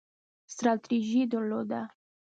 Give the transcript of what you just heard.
ستراتیژي درلوده